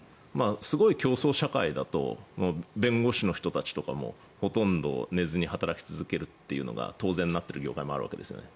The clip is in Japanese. すごい競争社会だと弁護士の人たちとかもほとんど寝ずに働き続けるのが普通の業態もあるんですよね。